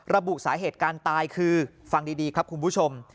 ระบุสาเหตุการตายคือฟังดีครับคุณผู้ชม